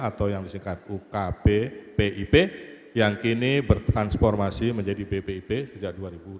atau yang disingkat ukp pip yang kini bertransformasi menjadi bpip sejak dua ribu tujuh belas